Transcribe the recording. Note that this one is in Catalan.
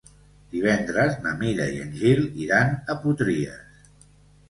Divendres na Mira i en Gil iran a Potries.